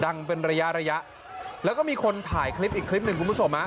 เป็นระยะระยะแล้วก็มีคนถ่ายคลิปอีกคลิปหนึ่งคุณผู้ชมฮะ